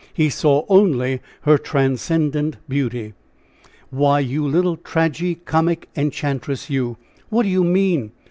He saw only her transcendant beauty. "Why, you little tragi comic enchantress, you! what do you mean?